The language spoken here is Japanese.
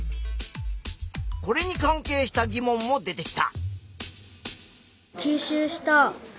これに関係した疑問も出てきた。